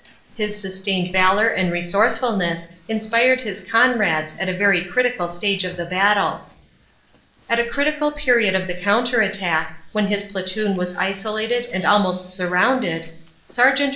His sustained valor and resourcefulness inspired his comrades at a very critical stage of the battle. At a critical period of the counter attack, when his platoon was isolated and almost surrounded, Sergt.